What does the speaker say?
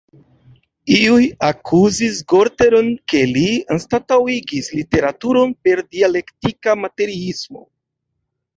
Iuj akuzis Gorter-on, ke li anstataŭigis literaturon per dialektika materiismo.